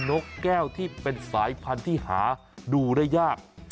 นกแก้วที่เป็นสายพันธุ์ที่หาดูได้ยาก